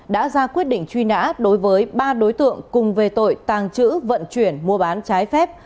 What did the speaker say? đã ra quyết định truy nã đối với ba đối tượng cùng về tội tàng trữ vận chuyển mua bán trái phép